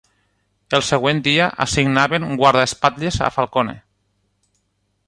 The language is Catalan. El següent dia assignaven guardaespatlles a Falcone.